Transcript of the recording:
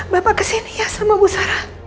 bapak kesini ya sama bu sarah